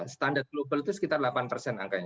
standar global itu sekitar delapan persen angkanya